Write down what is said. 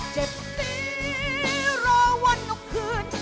เจ็บนี้รอวันเอาคืน